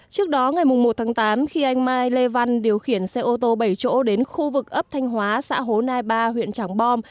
trước đó ngày một tháng tám khi anh mai lê văn điều khiển xe ô tô bảy chỗ đến khu vực ấp thanh hóa xã hồ nai ba huyện trảng bom